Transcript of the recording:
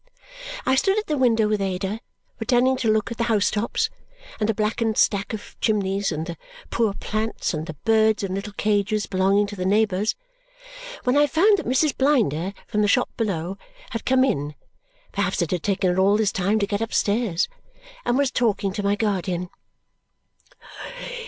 I stood at the window with Ada, pretending to look at the housetops, and the blackened stack of chimneys, and the poor plants, and the birds in little cages belonging to the neighbours, when I found that Mrs. Blinder, from the shop below, had come in (perhaps it had taken her all this time to get upstairs) and was talking to my guardian.